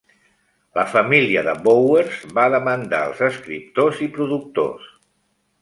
La família de Bowers va demandar els escriptors i productors.